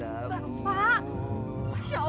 ya allah pak